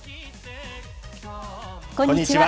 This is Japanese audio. こんにちは。